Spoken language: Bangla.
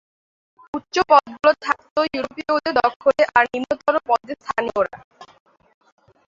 উচ্চ পদগুলো থাকত ইউরোপীয়দের দখলে আর নিম্নতর পদে স্থানীয়রা।